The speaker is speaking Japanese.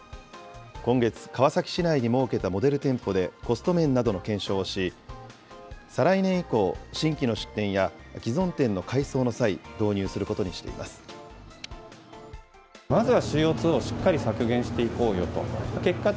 今月、川崎市内に設けたモデル店舗でコスト面などの検証をし、再来年以降、新規の出店や既存店の改装の際、導入することにしています。